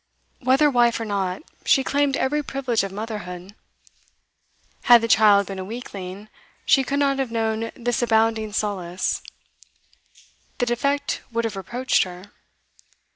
Whether wife or not, she claimed every privilege of motherhood. Had the child been a weakling, she could not have known this abounding solace: the defect would have reproached her.